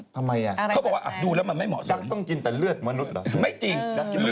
ทำไมอ่ะดักต้องกินแต่เลือดมนุษย์หรอเห็นไหม